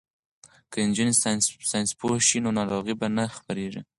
که نجونې ساینس پوهې شي نو ناروغۍ به نه خپریږي.